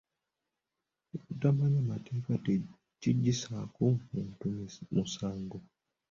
Obutamanya mateeka tekiggyisaako muntu musango.